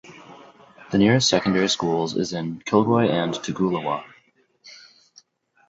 The nearest secondary schools is in Kilcoy and Toogoolawah.